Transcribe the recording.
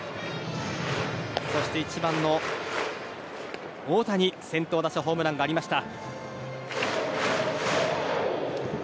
そして１番の太田に先頭打者ホームランがありました。